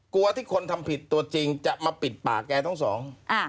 กลัวที่คนทำผิดตัวจริงจะมาปิดปากแกทั้งสอง